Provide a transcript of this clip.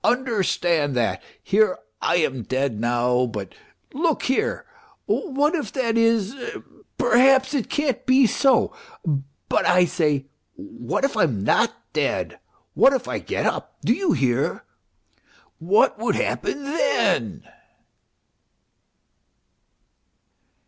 Understand that ; here I am dead now, but look here, what if that is, perhaps it can't be so but I say what if I'm not dead, what if I get up, do you hear? What would happen then